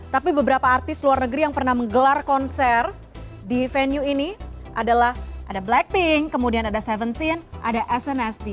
tapi beberapa artis luar negeri yang pernah menggelar konser di venue ini adalah ada blackpink kemudian ada tujuh belas ada smsd